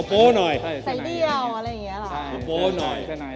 โป๊โป้หน่อย